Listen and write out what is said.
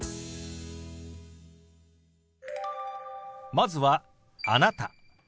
まずは「あなた」。